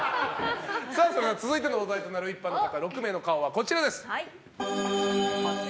続いてのお題となる一般の方６名の顔はこちらです。